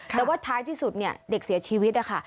แต่ว่าท้ายที่สุดเนี่ยเด็กเสียชีวิตนะคะ